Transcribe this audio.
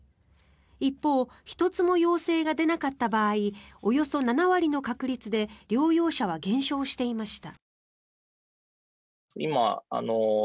一方１つも陽性が出なかった場合およそ７割の確率で療養者は減少していました。